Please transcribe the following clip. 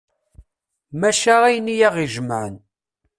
Maca ayen i aɣ-ijemɛen.